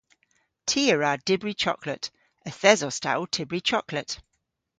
Ty a wra dybri choklet. Yth esos ta ow tybri choklet.